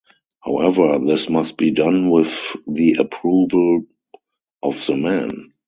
However, this must be done with the approval of the men.